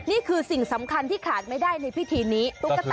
นี่คือสิ่งสำคัญที่ขาดไม่ได้ในพิธีนี้ตุ๊กตา